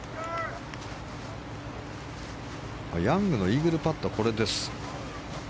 ヤングのイーグルパットはこれです。